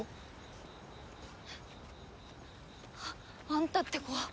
ああんたって子は。